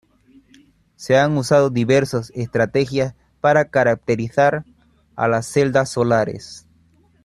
Se han usado diversas estrategias para caracterizar a las celdas solares.